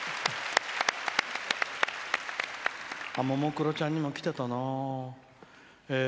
ももクロちゃんにも来てたな。